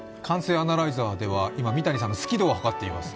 アナライザでは、今、三谷さんの好き度を測っています。